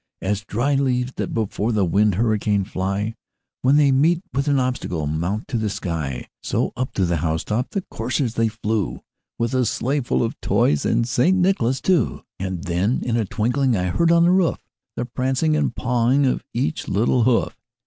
As dry leaves that before the wild hurricane fly, When they meet with an obstacle, mount to the sky, So, up to the house top the coursers they flew, With a sleigh full of toys and St. Nicholas too. And then in a twinkling I heard on the roof, The prancing and pawing of each little hoof.